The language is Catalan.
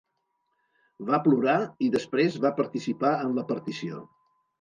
Va plorar i després va participar en la partició.